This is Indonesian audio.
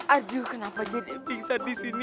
aduh kenapa jadi pingsan disini